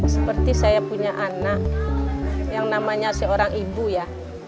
seperti saya punya anak yang namanya seorang ibu ya